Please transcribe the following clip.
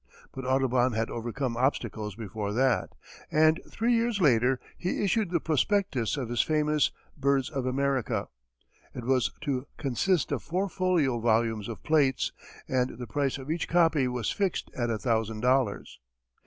But Audubon had overcome obstacles before that, and three years later he issued the prospectus of his famous "Birds of America." It was to consist of four folio volumes of plates, and the price of each copy was fixed at a thousand dollars.